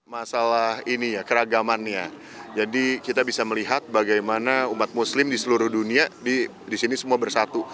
masalah ini ya keragamannya jadi kita bisa melihat bagaimana umat muslim di seluruh dunia disini semua bersatu